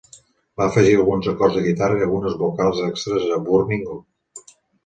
Va afegir alguns acords de guitarra i algunes vocals extres a "Burning Up".